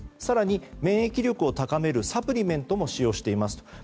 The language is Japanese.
更に免疫力を高めるサプリメントも使用していますと。